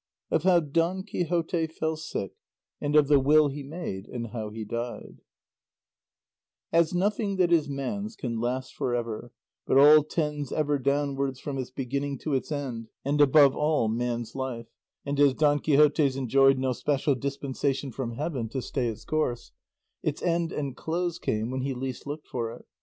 OF HOW DON QUIXOTE FELL SICK, AND OF THE WILL HE MADE, AND HOW HE DIED As nothing that is man's can last for ever, but all tends ever downwards from its beginning to its end, and above all man's life, and as Don Quixote's enjoyed no special dispensation from heaven to stay its course, its end and close came when he least looked for it.